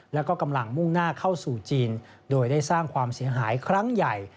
แล้วก็กำลังมุ่งหน้าเข้าสู่จีนโดยได้สร้างความเสียหายครั้งใหญ่